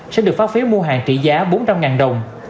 sẽ được phát phiếu mua hàng trị giá bốn trăm linh đồng